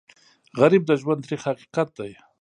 غریب د ژوند تریخ حقیقت دی